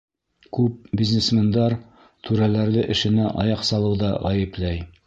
Күп бизнесмендар түрәләрҙе эшенә аяҡ салыуҙа ғәйепләй.